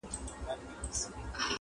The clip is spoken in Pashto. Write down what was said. o اوس سره جار وتو رباب سومه نغمه یمه,